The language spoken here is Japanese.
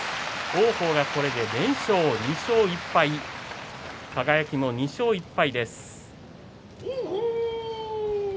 王鵬がこれで連勝、２勝１敗輝も２勝１敗です。